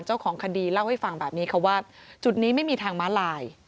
เจ้าของคดีเล่าให้ฟังแบบนี้ค่ะว่าจุดนี้ไม่มีทางม้าลาย